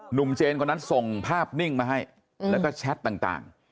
หนุ่มเจนต์ไว้นั้นส่งภาพนิ่งมาให้แล้วก็แช็ตต่าง